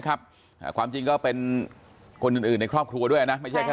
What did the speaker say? ความจริงก็เป็นคนอื่นในครอบครัวด้วยนะไม่ใช่แค่